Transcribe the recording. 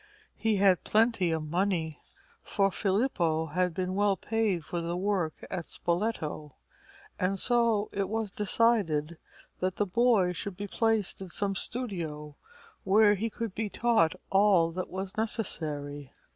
He had plenty of money, for Filippo had been well paid for the work at Spoleto, and so it was decided that the boy should be placed in some studio where he could be taught all that was necessary.